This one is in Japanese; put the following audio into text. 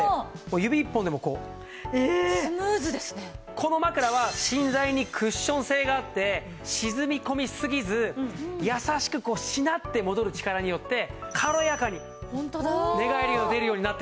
この枕は芯材にクッション性があって沈み込みすぎず優しくしなって戻る力によって軽やかに寝返りが打てるようになってるんです。